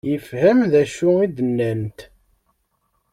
Yefhem d acu i d-nnant?